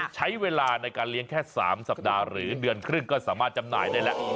ใช้เวลาในการเลี้ยงแค่๓สัปดาห์หรือเดือนครึ่งก็สามารถจำหน่ายได้แล้ว